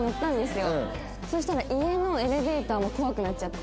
そしたら家のエレベーターも怖くなっちゃって。